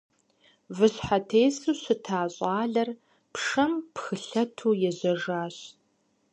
Выщхьэтесу щыта щӀалэр пшэм пхылъэту ежьэжащ.